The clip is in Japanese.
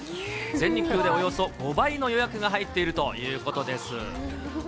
全日空でおよそ５倍の予約が入っているということです。